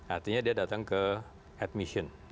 artinya dia datang ke admission